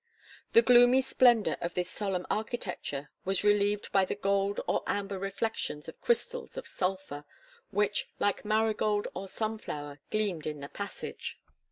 The gloomy splendor of this solemn architecture was relieved by the gold or amber reflections of crystals of sulphur, which, like marigold or sunflower, gleamed in the passage.